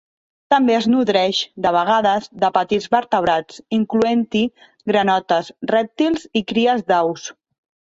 També es nodreix, de vegades, de petits vertebrats, incloent-hi granotes, rèptils i cries d'aus.